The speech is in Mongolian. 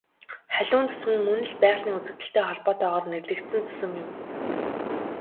Халиун зүсэм нь мөн л байгалийн үзэгдэлтэй холбоотойгоор нэрлэгдсэн зүсэм юм.